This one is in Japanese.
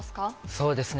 そうですね。